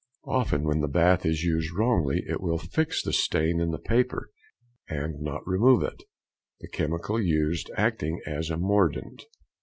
Often when the bath is used wrongly it will fix the stain in the paper, and not remove it, the chemical used acting as a mordant.